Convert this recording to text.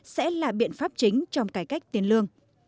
sẽ là biện pháp chính trong cải cách tiền lương